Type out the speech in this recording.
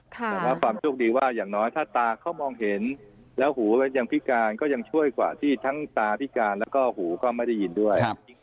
แต่ว่าความโชคดีว่าอย่างน้อยถ้าตาเขามองเห็นแล้วหูยังพิการก็ยังช่วยกว่าที่ทั้งตาพิการแล้วก็หูก็ไม่ได้ยินด้วย